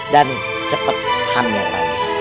dan cepat hamil lagi